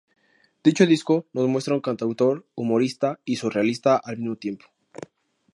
Dicho disco nos muestra un cantautor humorista y surrealista al mismo tiempo.